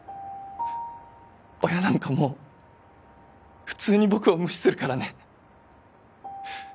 親なんかもう普通に僕を無視するからね。